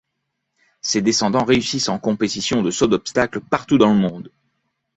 Ses descendants réussissent en compétition de saut d'obstacles partout dans le monde.